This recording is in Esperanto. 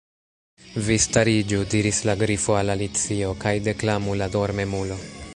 "Vi stariĝu," diris la Grifo al Alicio, "kaj deklamu ' la Dormemulo.'"